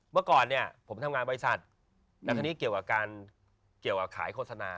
เมื่อก่อนเนี่ยผมทำงานบริษัทแต่คราวนี้เกี่ยวกับการเกี่ยวกับขายโฆษณา